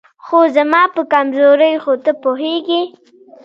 خو زما په کمزورۍ خو ته پوهېږې